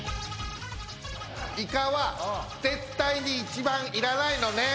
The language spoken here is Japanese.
イカは絶対に一番いらないのねん。